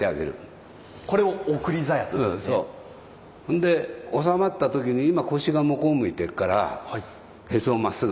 で納まった時に今腰が向こう向いてっからへそをまっすぐ。